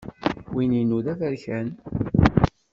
Win-inu d aberkan!